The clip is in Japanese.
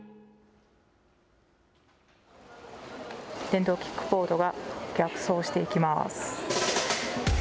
電動キックボードが逆走していきます。